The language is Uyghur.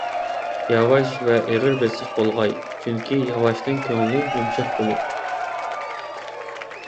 ياۋاش ۋە ئېغىر - بېسىق بولغاي، چۈنكى ياۋاشنىڭ كۆڭلى يۇمشاق بولۇر.